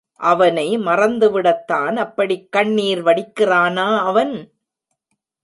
அவனை மறந்துவிடத்தான் அப்படிக் கண்ணீர் வடிக்கிறானா அவன்?